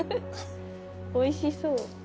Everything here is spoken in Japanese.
おいしそう。